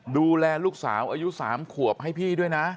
ดูแลลูกสาวอายุ๓ขวบให้พี่ด้วยนะ